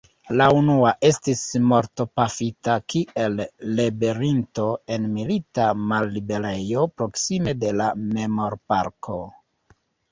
La unua estis mortpafita kiel ribelinto en milita malliberejo proksime de la memorparko.